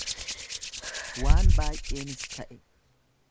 Waan baay'eenis ta'e